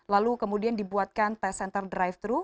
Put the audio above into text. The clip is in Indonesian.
lalu kemudian dibuatkan pass center drive thru